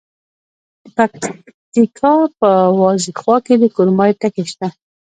د پکتیکا په وازیخوا کې د کرومایټ نښې شته.